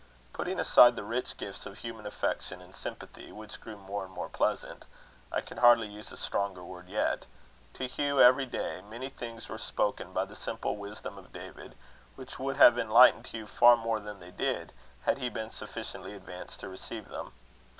Putting aside the rich gifts of human affection and sympathy, which grew more and more pleasant I can hardly use a stronger word yet to Hugh every day, many things were spoken by the simple wisdom of David, which would have enlightened Hugh far more than they did, had he been sufficiently advanced to receive them.